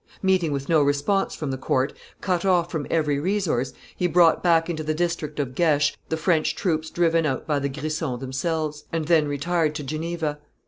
Meeting with no response from the court, cut off from every resource, he brought back into the district of Gex the French troops driven out by the Grisons themselves, and then retired to Geneva.